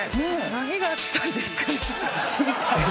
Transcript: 何があったんですかね？